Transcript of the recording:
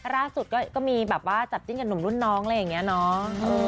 ล่าสุดก็มีแบบว่าจับจิ้นกับหนุ่มรุ่นน้องอะไรอย่างนี้เนาะ